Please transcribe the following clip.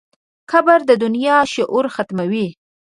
قبر د دنیا شور ختموي.